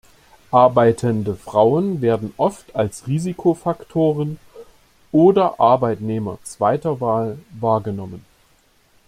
Arbeitende Frauen werden oft als "Risikofaktoren" oder Arbeitnehmer "zweiter Wahl" wahrgenommen.